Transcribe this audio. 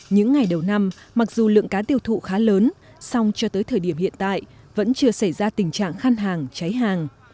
những ngày đầu năm mặc dù lượng cá tiêu thụ khá lớn song cho tới thời điểm hiện tại vẫn chưa xảy ra tình trạng khăn hàng cháy hàng